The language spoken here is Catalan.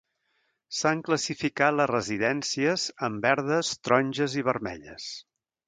S'han classificat les residències en verdes, taronges i vermelles.